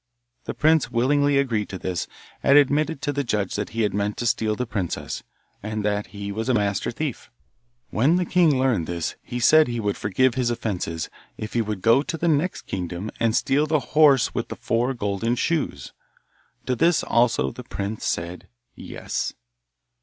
The prince willingly agreed to this, and admitted to the judge that he had meant to steal the princess, and that he was a master thief. When the king learned this he said he would forgive his offence if he would go to the next kingdom and steal the horse with the four golden shoes. To this also the prince said 'Yes.